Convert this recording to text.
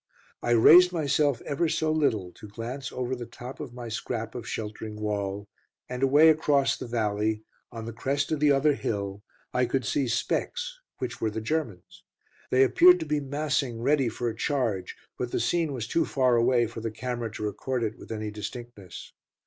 I raised myself ever so little to glance over the top of my scrap of sheltering wall, and away across the valley, on the crest of the other hill, I could see specks which were the Germans. They appeared to be massing ready for a charge, but the scene was too far away for the camera to record it with any distinctness.